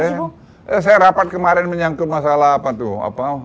gak ada saya rapat kemarin menyangkut masalah apa tuh